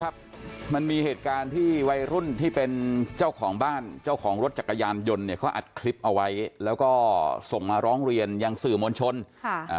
ครับมันมีเหตุการณ์ที่วัยรุ่นที่เป็นเจ้าของบ้านเจ้าของรถจักรยานยนต์เนี่ยเขาอัดคลิปเอาไว้แล้วก็ส่งมาร้องเรียนยังสื่อมวลชนค่ะอ่า